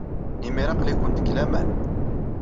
Imir-a, aql-ikent deg laman.